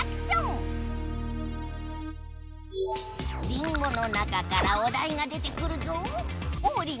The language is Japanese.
りんごの中からおだいが出てくるぞ！